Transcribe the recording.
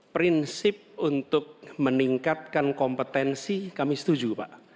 prinsip untuk meningkatkan kompetensi kami setuju pak